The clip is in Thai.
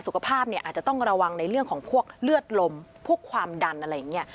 สุขภาพเนี่ยอาจจะต้องระวังในเรื่องของพวกเลือดลมพวกความดันอะไรอย่างนี้